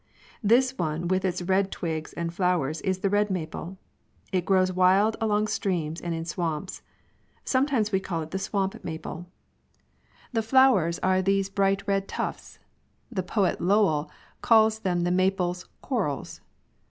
This one with its red twigs and flowers is the red maple. It grows wild along streams and in swamps. Sometimes we call it the swamp maple. / 95 The flowers are these bright red tufts. The poet, Lowell, calls them the maple's " corals."